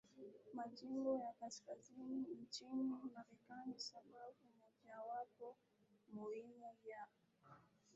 majimbo ya kaskazini nchini Marekani Sababu mojawapo muhimu ya